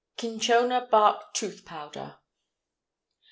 CINCHONA BARK TOOTH POWDER.